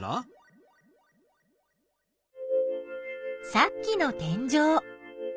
さっきの天井。